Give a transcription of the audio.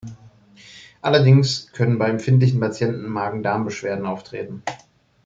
Allerdings können bei empfindlichen Patienten Magen-Darm-Beschwerden auftreten.